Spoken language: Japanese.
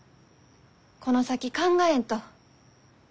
この先考えんと。